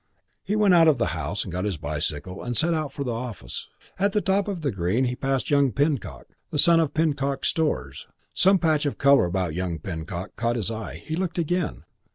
He went out of the house and got his bicycle and set out for the office. At the top of the Green he passed young Pinnock, the son of Pinnock's Stores. Some patch of colour about young Pinnock caught his eye. He looked again.